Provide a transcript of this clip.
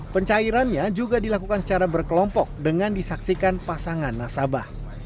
pencairannya juga dilakukan secara berkelompok dengan disaksikan pasangan nasabah